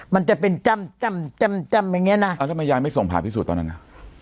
มันจะเป็นจ้ำจ้ำจ้ำจ้ำอย่างเงี้นะอ่าทำไมยายไม่ส่งผ่าพิสูจนตอนนั้นน่ะ